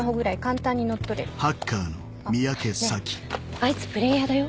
あいつプレーヤーだよ